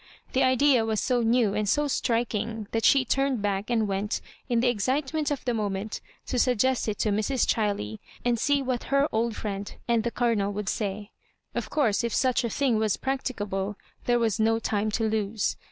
The idea was so new and sc striking, that she turned back and went, in th€ excitement of the moment, to suggest it to Mrs. Chiley, and see what her old friend and the Colonel would say. Of course, if such a thing was practicable, there was no time to lose.